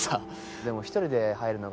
でも１人で入るのが。